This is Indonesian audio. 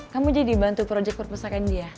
kamu jadi bantu projek perpustakaan dia